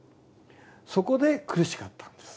そこで苦しかったんです